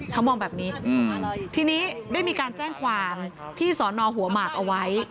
เขามองแบบนี้ทีนี้ได้มีการแจ้งความที่สอนอหัวหมากเอาไว้